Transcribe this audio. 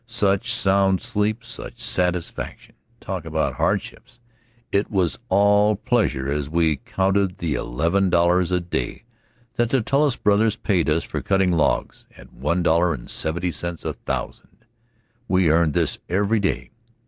Such sound sleep, such satisfaction! Talk about hardships it was all pleasure as we counted the eleven dollars a day that the Tullis brothers paid us for cutting logs, at one dollar and seventy cents a thousand. We earned this every day.